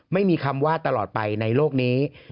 ไม่มีคำว่าตลอดไปในโลกนี้